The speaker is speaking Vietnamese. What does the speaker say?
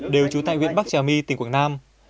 đều trú tại huyện bắc trà my tỉnh quảng nam